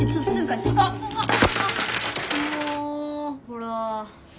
ほら。